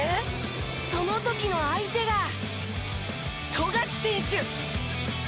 その時の相手が富樫選手。